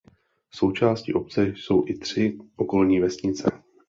Součástí obce jsou i tři okolní vesnice.